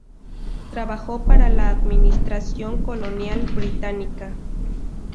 Trabajó para la administración colonial británica.